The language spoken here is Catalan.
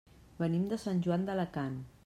Venim de Sant Joan d'Alacant.